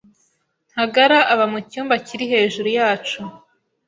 Ntagara aba mucyumba kiri hejuru yacu.